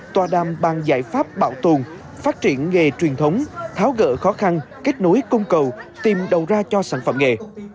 tòa đàm bàn giải pháp bảo tồn phát triển nghề truyền thống tháo gỡ khó khăn kết nối cung cầu tìm đầu ra cho sản phẩm nghề